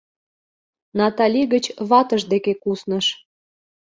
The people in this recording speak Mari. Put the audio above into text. Натали гыч ватыж деке кусныш.